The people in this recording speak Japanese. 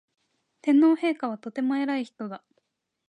天皇陛下はとても偉い人だ